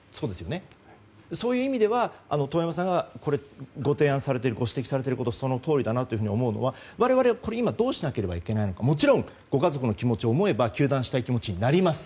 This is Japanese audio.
そういう意味では、遠山さんがご提案・ご指摘されていることでそのとおりだなと思うのは我々、今どうしなければいけないのかもちろんご家族の気持ちを思えば糾弾したい気持ちになります。